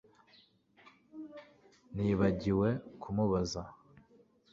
Nibagiwe kumubaza